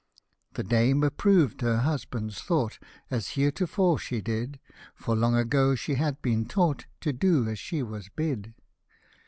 The dame approved her husband's thought, As heretofore she did ; For long ago she had been taught To do as she was bid.